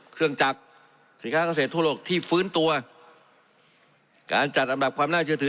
เครื่องจักรสินค้าเกษตรทั่วโลกที่ฟื้นตัวการจัดอันดับความน่าเชื่อถือ